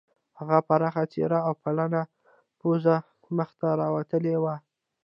د هغه پراخه څیره او پلنه پوزه مخ ته راوتلې وه